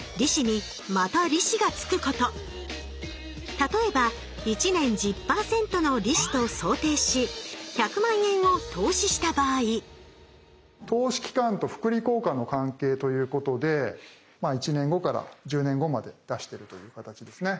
例えば１年１０％の利子と想定し１００万円を投資した場合投資期間と複利効果の関係ということで１年後から１０年後まで出してるという形ですね。